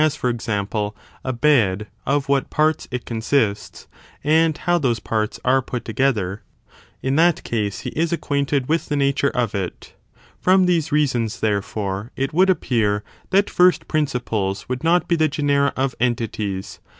] ARE GENERA FIRST FRINOIPLES 1 65 example, a bed, of what parts it consists, and how those parts are put together — ^in that case he is acquainted with the /nature of it. From these reasons, therefore, it would appear that first principles would not be the genera of entities.